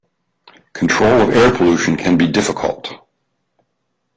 Control of air pollution can be difficult.